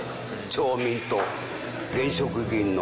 町民と現職議員の。